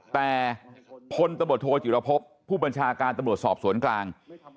แต่พลตำรวจโทจิรพบผู้บัญชาการตำรวจสอบสวนกลาง